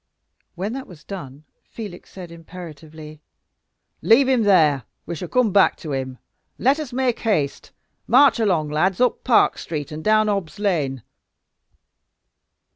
When that was done, Felix said, imperatively: "Leave him there we shall come back to him; let us make haste; march along, lads! Up Park Street and down Hobb's Lane."